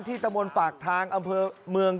ตะมนต์ปากทางอำเภอเมือง